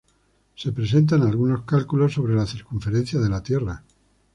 Se presentan algunos cálculos sobre la circunferencia de la Tierra.